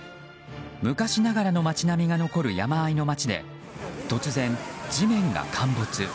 昔ながらの町並みが残る山間の町で突然、地面が陥没。